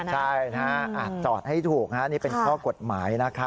ใช่จอดให้ถูกนี่เป็นข้อกฎหมายนะครับ